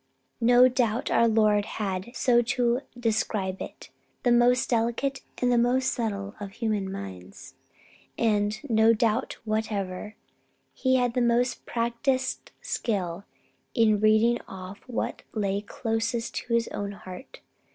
No doubt our Lord had, so to describe it, the most delicate and the most subtle of human minds; and, no doubt whatever, He had the most practised skill in reading off what lay closest to His own heart.